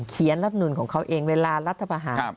เขียนรัฐนุนของเขาเองเวลารัฐพหาร